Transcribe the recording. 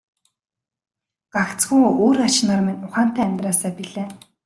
Гагцхүү үр ач нар минь ухаантай амьдраасай билээ.